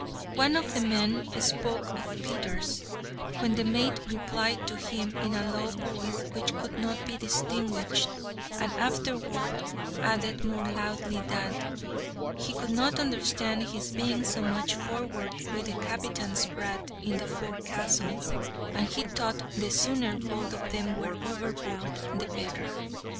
One of the men spoke of Peters, when the mate replied to him in a low voice which could not be distinguished, and afterward added more loudly, that "he could not understand his being so much forward with the captain's brat in the forecastle, and he thought the sooner both of them were overboard the better."